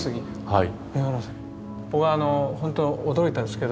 はい。